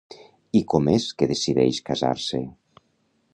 I com és que decideix casar-se?